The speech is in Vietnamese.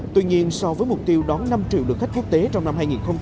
tuy nhiên so với mục tiêu đón năm triệu lượt khách quốc tế trong năm hai nghìn hai mươi